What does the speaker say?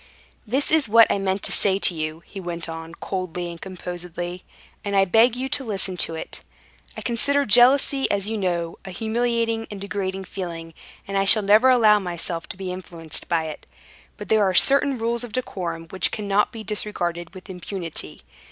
"This is what I meant to say to you," he went on coldly and composedly, "and I beg you to listen to it. I consider jealousy, as you know, a humiliating and degrading feeling, and I shall never allow myself to be influenced by it; but there are certain rules of decorum which cannot be disregarded with impunity.